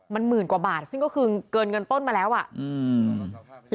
มันหมื่นกว่าบาทซึ่งก็คือเกินเงินต้นมาแล้วอ่ะอืม